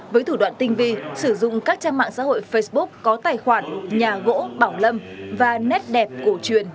với thủ đoạn tinh vi sử dụng các trang mạng xã hội facebook có tài khoản nhà gỗ bảo lâm và nét đẹp cổ truyền